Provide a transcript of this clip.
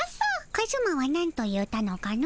カズマはなんと言うたのかの？